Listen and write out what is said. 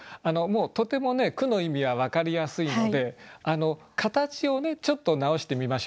とても句の意味は分かりやすいので形をちょっと直してみましょうか。